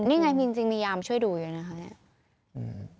นี่ไงหนึ่งจริงมียามช่วยดูอยู่นะคะ